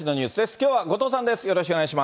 きょうは後藤さんです。